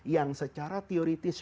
yang secara teoritis